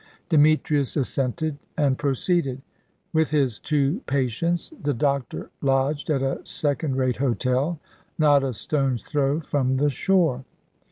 Demetrius assented and proceeded. With his two patients the doctor lodged at a second rate hotel, not a stone's throw from the shore.